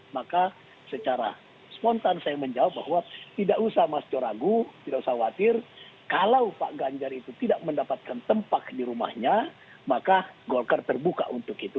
maka secara spontan saya menjawab bahwa tidak usah mas jo ragu tidak usah khawatir kalau pak ganjar itu tidak mendapatkan tempat di rumahnya maka golkar terbuka untuk itu